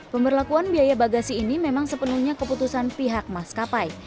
pemberlakuan biaya bagasi ini memang sepenuhnya keputusan pihak maskapai